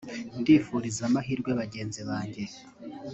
ndifuriza amahirwe bagenzi banjye